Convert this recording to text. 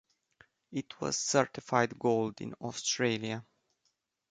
It was certified Gold in Australia.